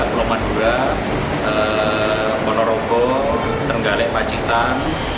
pulau madura monorogo tenggalek pacitan